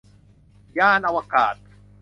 ยานอวกาศ